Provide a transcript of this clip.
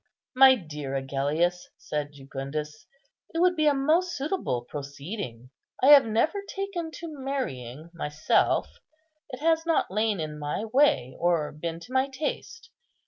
"My dear Agellius," said Jucundus, "it would be a most suitable proceeding. I have never taken to marrying myself; it has not lain in my way, or been to my taste.